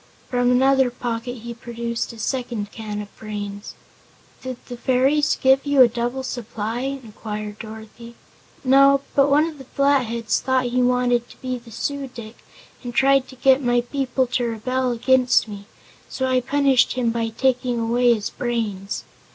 From another pocket he produced a second can of brains. "Did the fairies give you a double supply?" inquired Dorothy. "No, but one of the Flatheads thought he wanted to be the Su dic and tried to get my people to rebel against me, so I punished him by taking away his brains.